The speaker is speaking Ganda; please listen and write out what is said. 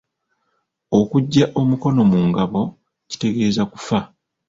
Okuggya omukono mu ngabo kitegeeza kufa.